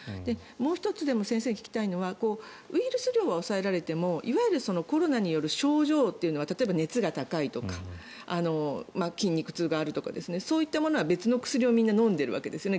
もう１つ、先生に聞きたいのはウイルス量は抑えられてもいわゆるコロナによる症状は例えば熱が高いとか筋肉痛があるとかそういったものは別の薬をみんな飲んでいるわけですよね。